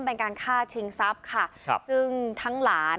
เป็นการฆ่าชิงทรัพย์ค่ะครับซึ่งทั้งหลาน